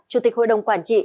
chủ tịch hội đồng quản trị